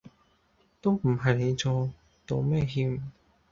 都唔係你錯，道咩歉